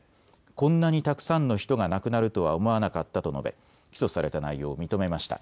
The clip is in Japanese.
こんなにたくさんの人が亡くなるとは思わなかったと述べ起訴された内容を認めました。